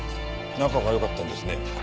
仲が良かったんですね。